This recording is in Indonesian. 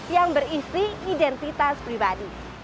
yang berisi identitas pribadi